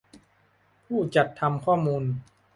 ผู้จัดทำข้อมูล